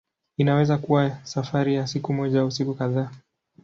Inaweza kuwa safari ya siku moja au siku kadhaa.